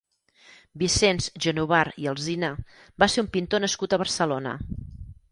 Vicenç Genovart i Alsina va ser un pintor nascut a Barcelona.